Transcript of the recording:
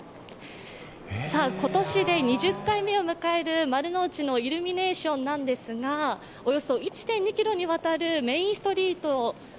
今年で２０回目を迎える丸の内のイルミネーションですがおよそ１．２ｋｍに渡るメインストリート